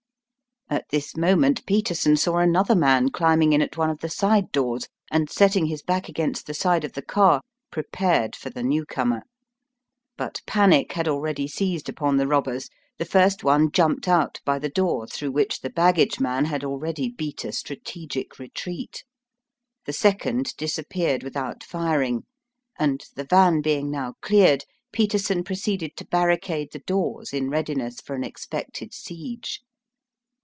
At this moment Peterson saw another man climbing in at one of the side doors, and, setting his back against the side of the car, prepared for the new comer. But panic had already seized upon the robbers. The first one jumped out by the door through which the baggage man had already beat a strategic retreat. The second disappeared without firing, and, the van being now cleared, Peterson proceeded to barricade the doors in readiness for an expected siege.